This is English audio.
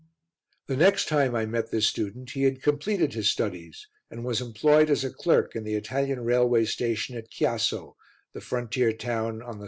The next time I met this student he had completed his studies and was employed as a clerk in the Italian railway station at Chiasso, the frontier town on the S.